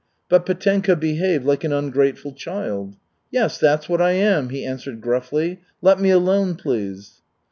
But Petenka behaved like an ungrateful child. "Yes, that's what I am," he answered gruffly. "Let me alone, please."